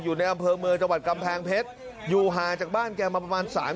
อยู่ในอำเภอเมืองจังหวัดกำแพงเพชรอยู่ห่างจากบ้านแกมาประมาณสาม